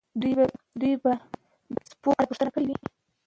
دوی به د څپو په اړه پوښتنه کړې وي.